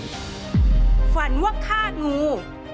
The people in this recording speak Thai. ฝันว่าฆ่างู